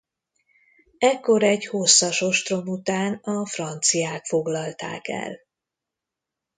Ekkor egy hosszas ostrom után a franciák foglalták el.